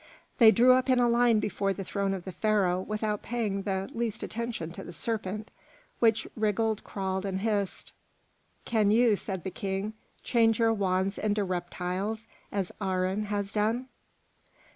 They drew up in a line before the throne of the Pharaoh without paying the least attention to the serpent, which wriggled, crawled, and hissed. "Can you," said the King, "change your wands into reptiles as Aharon has done?"